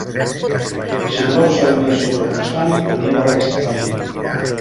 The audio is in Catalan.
Si voleu saber més sobre com es fan, aneu a aquesta pàgina.